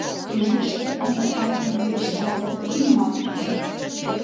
Тӱняште ынде айдеме деч тале нимат уке.